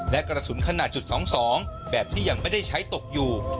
และกระสุนขนาดจุด๒๒แบบที่ยังไม่ได้ใช้ตกอยู่